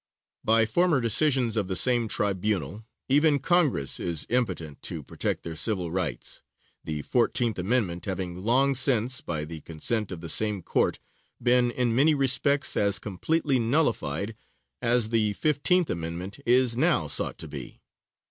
By former decisions of the same tribunal, even Congress is impotent to protect their civil rights, the Fourteenth Amendment having long since, by the consent of the same Court, been in many respects as completely nullified as the Fifteenth Amendment is now sought to be.